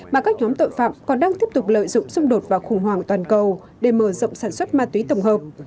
mà các nhóm tội phạm còn đang tiếp tục lợi dụng xung đột và khủng hoảng toàn cầu để mở rộng sản xuất ma túy tổng hợp